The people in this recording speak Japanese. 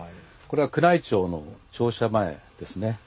これは宮内庁の庁舎前ですね。